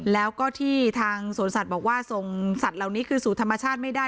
แล้วก็ที่ทางสวนสัตว์บอกว่าส่งสัตว์เหล่านี้คืนสู่ธรรมชาติไม่ได้